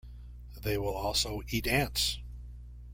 They will also eat ants.